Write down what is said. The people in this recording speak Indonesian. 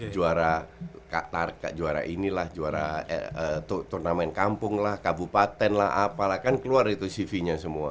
juara juara ini lah juara turnamen kampung lah kabupaten lah apa lah kan keluar itu cv nya semua